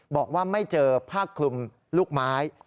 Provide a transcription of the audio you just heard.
บอกว่าไม่เจอผ้าคลุมลูกไม้